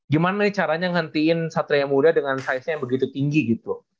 gimana caranya ngehentiin satria muda dengan size nya yang begitu tinggi gitu